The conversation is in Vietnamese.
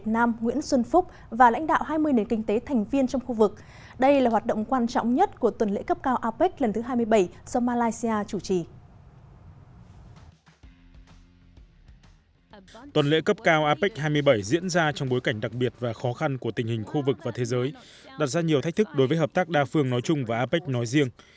tuần lễ cấp cao apec hai mươi bảy diễn ra trong bối cảnh đặc biệt và khó khăn của tình hình khu vực và thế giới đặt ra nhiều thách thức đối với hợp tác đa phương nói chung và apec nói riêng